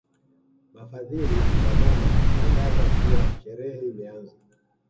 Mfadhili wa mama hutangaza kuwa sherehe imeanza